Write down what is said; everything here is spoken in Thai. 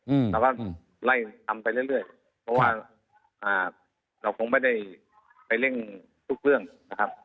อืมเราก็ไล่ทำไปเรื่อยเรื่อยเพราะว่าอ่าเราคงไม่ได้ไปเร่งทุกเรื่องนะครับ